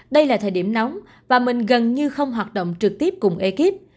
đây là thời điểm nóng và mình gần như không hoạt động trực tiếp cùng ekip